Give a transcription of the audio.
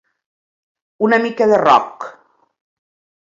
Una mica de rock!